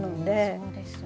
そうですよね。